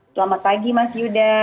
selamat pagi mas yuda